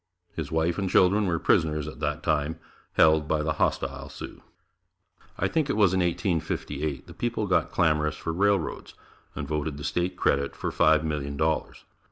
His wife and children were prisoners at that time, held by the hostile Sioux. I think it was in 1858, the people got clamorous for railroads and voted the State credit for Five Million Dollars.